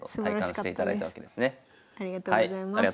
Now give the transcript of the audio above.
ありがとうございます。